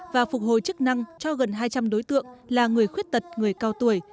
và phục hồi chức năng cho gần hai trăm linh đối tượng là người khuyết tật người cao tuổi